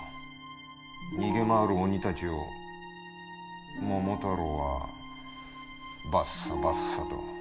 逃げ回る鬼たちを桃太郎はバッサバッサと。